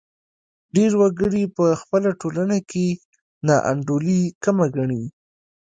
ډېر وګړي په خپله ټولنه کې ناانډولي کمه ګڼي.